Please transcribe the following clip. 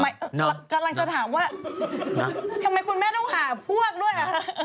กำลังจะถามว่าทำไมคุณแม่ต้องหาพวกด้วยอ่ะ